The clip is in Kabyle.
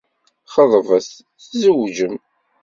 Xeḍbet, tzewǧem.